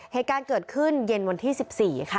เหตุการณ์เกิดขึ้นเย็นวันที่๑๔ค่ะ